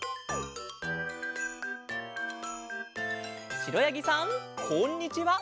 しろやぎさんこんにちは。